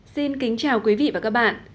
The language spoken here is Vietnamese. xin kính chào quý vị và các bạn